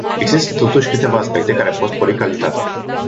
Există totuși câteva aspecte care pot spori calitatea.